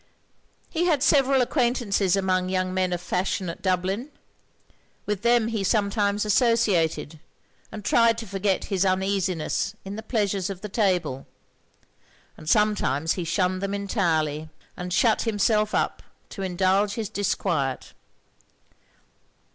He had several acquaintances among young men of fashion at Dublin. With them he sometimes associated; and tried to forget his uneasiness in the pleasures of the table; and sometimes he shunned them entirely, and shut himself up to indulge his disquiet.